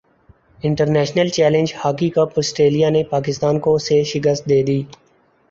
international challenge hockey cup Australia نے پاکستان کو سے شکست دے دی